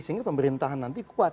sehingga pemerintahan nanti kuat